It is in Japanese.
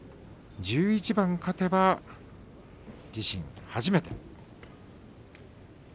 １１番勝てば自身初めて。